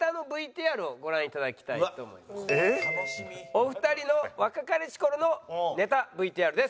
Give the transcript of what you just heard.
お二人の若かりし頃のネタＶＴＲです。